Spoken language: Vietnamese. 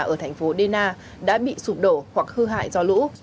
ở thành phố dena đã bị sụp đổ hoặc hư hại do lũ